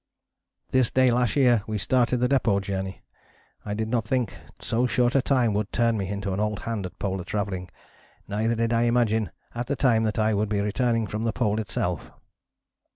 "This day last year we started the Depôt Journey. I did not think so short a time would turn me into an old hand at polar travelling, neither did I imagine at the time that I would be returning from the Pole itself."